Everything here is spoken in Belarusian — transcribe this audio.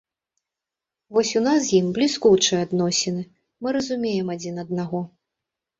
Вось у нас з ім бліскучыя адносіны, мы разумеем адзін аднаго.